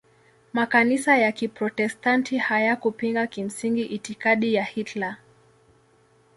Makanisa ya Kiprotestanti hayakupinga kimsingi itikadi ya Hitler.